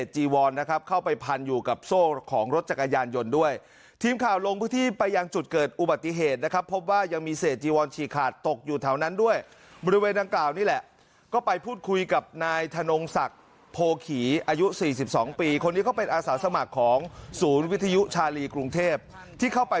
จีวอนนะครับเข้าไปพันอยู่กับโซ่ของรถจักรยานยนต์ด้วยทีมข่าวลงพื้นที่ไปยังจุดเกิดอุบัติเหตุนะครับพบว่ายังมีเศษจีวอนฉีกขาดตกอยู่แถวนั้นด้วยบริเวณดังกล่าวนี่แหละก็ไปพูดคุยกับนายธนงศักดิ์โพขี่อายุ๔๒ปีคนนี้เขาเป็นอาสาสมัครของศูนย์วิทยุชาลีกรุงเทพที่เข้าไป